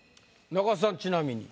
中田さんちなみに。